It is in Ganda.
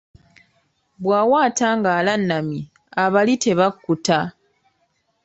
Bw'awaata ng'alannamye abali tebakkuta.